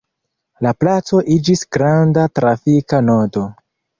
La placo iĝis granda trafika nodo.